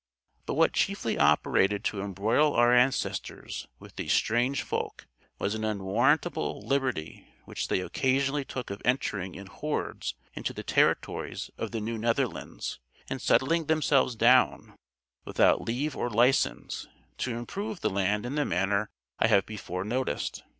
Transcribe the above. But what chiefly operated to embroil our ancestors with these strange folk was an unwarrantable liberty which they occasionally took of entering in hordes into the territories of the New Netherlands, and settling themselves down, without leave or license, to improve the land in the manner I have before noticed.